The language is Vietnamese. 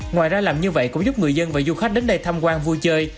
ngoài ra làm như vậy cũng giúp người dân và du khách đến đây tham quan vui chơi